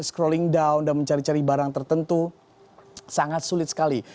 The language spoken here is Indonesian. scrolling down dan mencari cari barang tertentu sangat sulit sekali